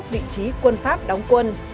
hai mươi một vị trí quân pháp đóng quân